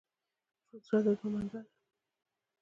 زړه د دوعا منبع ده.